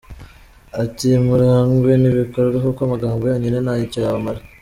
Ati «Murangwe n’ibikorwa kuko amagambo yonyine nta cyo yamara ».